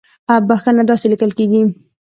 بخښنه داسې ليکل کېږي